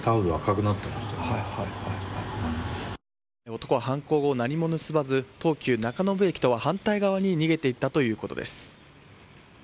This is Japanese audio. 男は犯行後、何も盗まず東急中延駅と反対側に逃げて行ったということです。